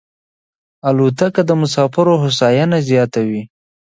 الوتکه د مسافرو هوساینه زیاتوي.